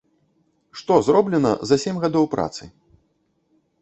Што зроблена за сем гадоў працы?